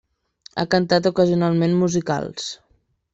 Ha cantat ocasionalment musicals.